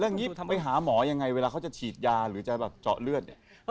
อย่างนี้ไปหาหมอยังไงเวลาเขาจะฉีดยาหรือจะแบบเจาะเลือดเนี่ย